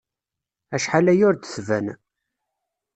Acḥal aya ur d-tban.